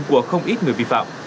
của không ít người vi phạm